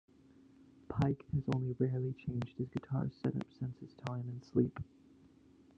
Pike has only rarely changed his guitar setup since his time in Sleep.